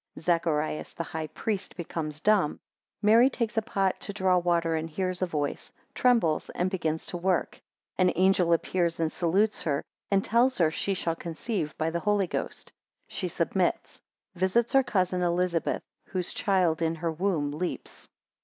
5 Zacharias, the high priest, becomes dumb. 7 Mary takes a pot to draw water, and hears a voice, 8 trembles and begins to work, 9 an angel Appears and salutes her, and tells her she shall conceive by the Holy Ghost, 17 she submits. 19 Visits her cousin Elizabeth, whose child in her womb leaps.